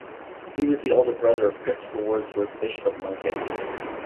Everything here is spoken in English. He was the older brother of Christopher Wordsworth, Bishop of Lincoln.